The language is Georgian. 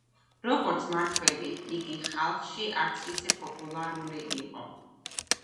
როგორც მმართველი, იგი ხალხში არც ისე პოპულარული იყო.